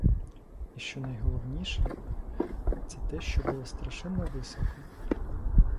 А що найголовніше — це те, що було страшенно високо.